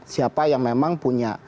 siapa yang memang punya